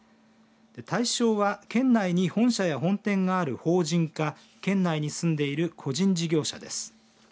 対象は県内に本社や本店がある法人か県内に住んでいる個人事業者です。